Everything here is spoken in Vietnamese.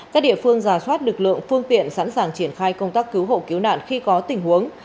các địa phương giả soát lực lượng phương tiện sẵn sàng triển khai công tác cứu hộ cứu nạn khi có tình huống